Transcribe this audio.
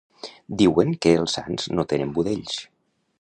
Diuen que els sants no tenen budells.